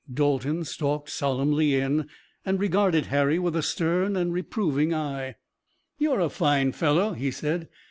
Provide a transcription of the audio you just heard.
Dalton stalked solemnly in, and regarded Harry with a stern and reproving eye. "You're a fine fellow," he said.